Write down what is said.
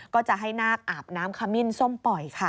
ก็จะให้นาคอาบน้ำขมิ้นส้มปล่อยค่ะ